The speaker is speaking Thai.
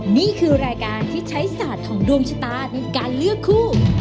นี่คือรายการที่ใช้ศาสตร์ของดวงชะตาในการเลือกคู่